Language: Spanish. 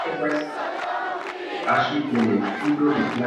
Posee un clima suave y agradable, húmedo y moderado por la proximidad del mar.